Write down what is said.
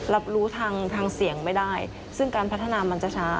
รับรู้ทางทางเสี่ยงไม่ได้ซึ่งการพัฒนามันจะช้า